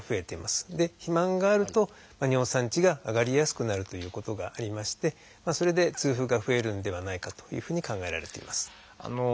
で肥満があると尿酸値が上がりやすくなるということがありましてそれで痛風が増えるんではないかというふうに考えられています。